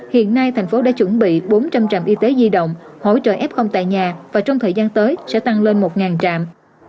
hiện nay thành phố đã chuẩn bị bốn trăm linh trạm y tế di động hỗ trợ f tại nhà và trong thời gian tới sẽ tăng lên một trạm